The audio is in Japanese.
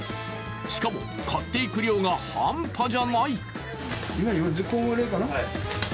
しかも買っていく量が半端じゃない。